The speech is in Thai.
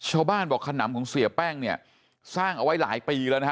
ชาวบ้านบอกขนำของเสียแป้งเนี่ยสร้างเอาไว้หลายปีแล้วนะฮะ